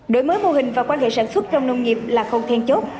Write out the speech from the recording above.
đổi mới mô hình và quan hệ sản xuất trong nông nghiệp là khâu then chốt